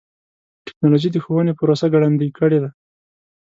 ټکنالوجي د ښوونې پروسه ګړندۍ کړې ده.